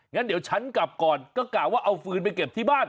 งั้นเดี๋ยวฉันกลับก่อนก็กะว่าเอาฟืนไปเก็บที่บ้าน